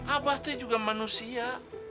abah itu juga manusia